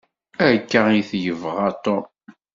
Akka i t-yebɣa Tom.